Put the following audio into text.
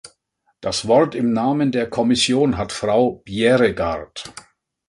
Das Wort im Namen der Kommission hat Frau Bjerregaard.